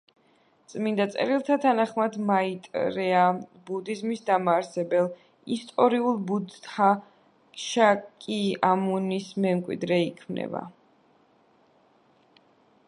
წმინდა წერილთა თანახმად, მაიტრეა ბუდიზმის დამაარსებელ ისტორიულ ბუდდჰა შაკიამუნის მემკვიდრე იქნება.